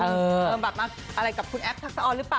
คือแม่แอบกับท่านนึงทักซออนหรือเปล่า